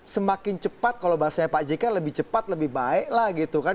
semakin cepat kalau bahasanya pak jk lebih cepat lebih baik lah gitu kan